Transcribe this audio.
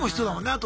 あと。